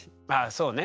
そうね。